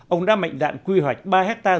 ông đã mạnh đạn quy hoạch ba hectare